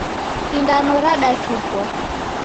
Sindano radatupwa